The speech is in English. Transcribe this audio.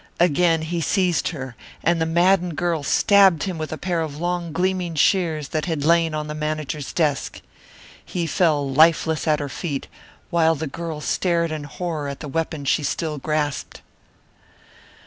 Again he seized her, and the maddened girl stabbed him with a pair of long gleaming shears that had lain on the manager's desk. He fell lifeless at her feet, while the girl stared in horror at the weapon she still grasped.